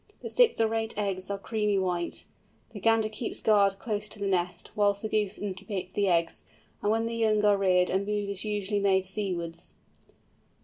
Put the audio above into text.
The six or eight eggs are creamy white. The gander keeps guard close to the nest, whilst the goose incubates the eggs; and when the young are reared a move is usually made seawards.